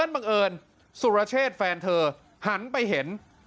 บังเอิญสุรเชษแฟนเธอหันไปเห็น